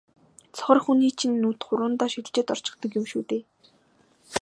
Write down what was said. сохор хүний чинь нүд хуруундаа шилжээд орчихдог юм шүү дээ.